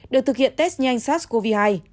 được thực hiện test nhanh sars cov hai